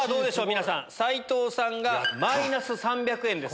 皆さん斎藤さんマイナス３００円です。